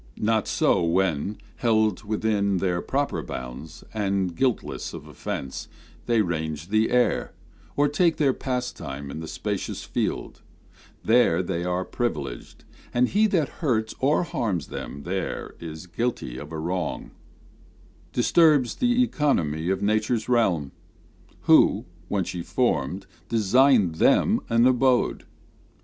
Not so when, held within their proper bounds, And guiltless of offence, they range the air, Or take their pastime in the spacious field: There they are privileged; and he that hunts Or harms them there is guilty of a wrong, Disturbs the economy of nature's realm, Who, when she formed, designed them an abode.